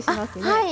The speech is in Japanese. はい。